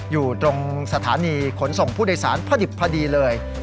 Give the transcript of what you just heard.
อยู่ตรงสถานีขนส่งผู้โดยสารพอดิบพอดีเลย